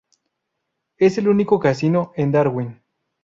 Es el único casino en Darwin.